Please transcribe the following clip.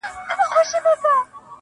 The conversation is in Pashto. وجود پرېږدمه، روح و گلنگار ته ور وړم~